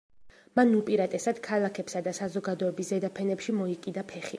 მან უპირატესად ქალაქებსა და საზოგადოების ზედაფენებში მოიკიდა ფეხი.